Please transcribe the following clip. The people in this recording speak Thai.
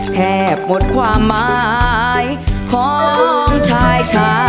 แทบหมดความหมายของชายชา